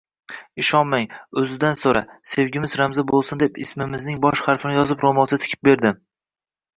Ishonmasang, oʻzidan soʻra, sevgimiz ramzi boʻlsin deb ismimizning bosh harfini yozib roʻmolcha tikib berdi.